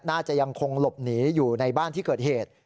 น่าจะยังคงหลบหนีอยู่ในบ้านที่เกิดเหตุ